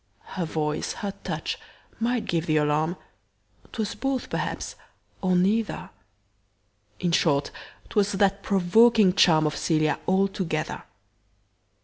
Her voice, her touch, might give th' alarm 'Twas both perhaps, or neither; In short, 'twas that provoking charm Of Cælia altogether.